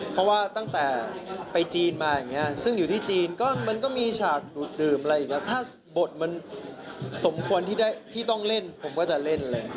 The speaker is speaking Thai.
เพราะว่าตั้งแต่ไปจีนมาอย่างนี้ซึ่งอยู่ที่จีนก็มันก็มีฉากดูดดื่มอะไรอย่างนี้ถ้าบทมันสมควรที่ได้ที่ต้องเล่นผมก็จะเล่นเลย